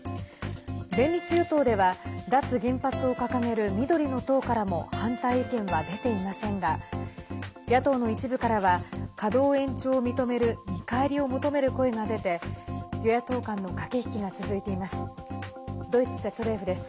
連立与党では脱原発を掲げる緑の党からも反対意見は出ていませんが野党の一部からは稼働延長を認める見返りを求める声が出て与野党間の駆け引きが続いています。